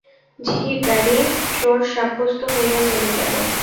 ঝি প্যারী চোর সাব্যস্ত হইয়া জেলে গেল।